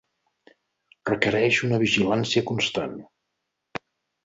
Requereix una vigilància constant.